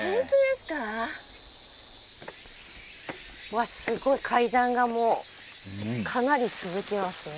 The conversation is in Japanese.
わっすごい階段がもうかなり続きますね。